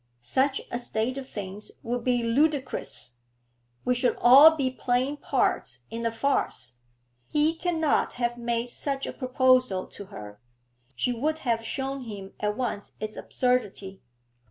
Such a state of things would be ludicrous; we should all be playing parts in a farce. He cannot have made such a proposal to her; she would have shown him at once its absurdity.'